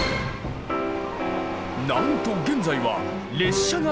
なんと現在は列車が通過。